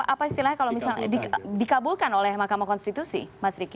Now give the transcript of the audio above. apa istilahnya kalau misalnya dikabulkan oleh mahkamah konstitusi mas riki